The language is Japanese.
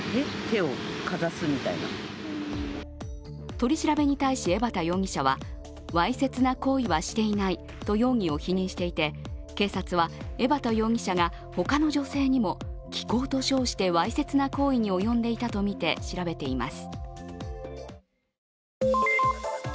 取り調べに対し、江畑容疑者はわいせつな行為はしていないと容疑を否認していて警察は江畑容疑者が他の女性にも気功と称してわいせつな行為に及んでいたとみて調べています。